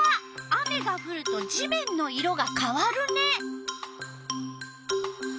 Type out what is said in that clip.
雨がふると地面の色がかわるね。